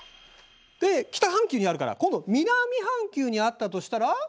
で北半球にあるから今度は南半球にあったとしたら？